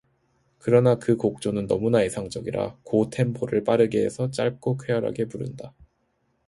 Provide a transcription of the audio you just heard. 그러나 그 곡조는 너무나 애상적이라고 템포를 빠르게 해서 짧고 쾌활하게 부른다.